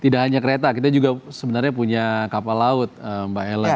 tidak hanya kereta kita juga sebenarnya punya kapal laut mbak ellen